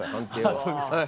そうですか。